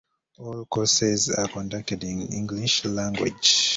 All courses are conducted in English Language.